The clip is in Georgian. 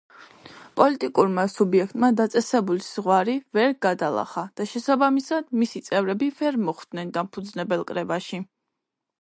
პოლიტიკურმა სუბიექტმა დაწესებული ზღვარი ვერ გადალახა და შესაბამისად მისი წევრები ვერ მოხვდნენ დამფუძნებელ კრებაში.